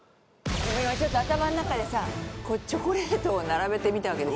今ちょっと頭の中でさチョコレートを並べてみたわけですよ。